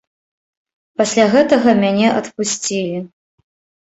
Пасля гэтага мяне адпусцілі.